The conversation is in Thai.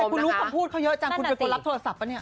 คุณรู้คำพูดเขาเยอะจังคุณเป็นคนรับโทรศัพท์ป่ะเนี่ย